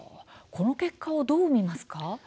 この結果をどう見ますか。